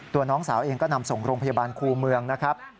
น้องสาวเองก็นำส่งโรงพยาบาลครูเมืองนะครับ